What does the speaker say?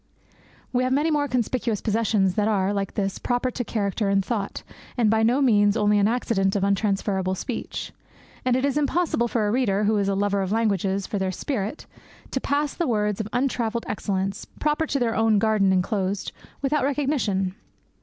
We have many more conspicuous possessions that are, like this, proper to character and thought, and by no means only an accident of untransferable speech. And it is impossible for a reader, who is a lover of languages for their spirit, to pass the words of untravelled excellence, proper to their own garden enclosed, without recognition.